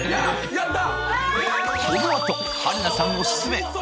やった！